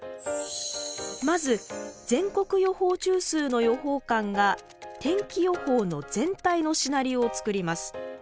まず全国予報中枢の予報官が天気予報の「全体のシナリオ」を作ります。